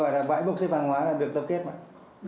gọi là bãi bốc xếp hàng hóa là được tập kết mà